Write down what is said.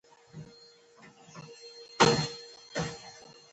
دوی خپلې سلیقې پر خلکو د نفوذ له لارې مني